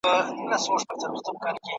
چي حملې نه له پردیو وي نه خپلو ,